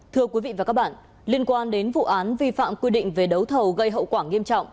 thưa quý vị và các bạn liên quan đến vụ án vi phạm quy định về đấu thầu gây hậu quả nghiêm trọng